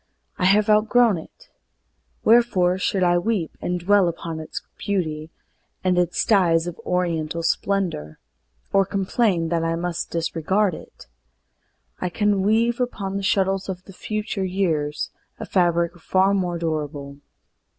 I have outgrown it. Wherefore should I weep And dwell upon its beauty, and its dyes Of oriental splendor, or complain That I must needs discard it? I can weave Upon the shuttles of the future years A fabric far more durable.